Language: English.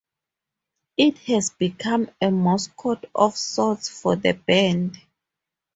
It has become a mascot of sorts for the band.